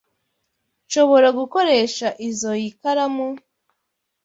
Nshobora gukoresha izoi karamu?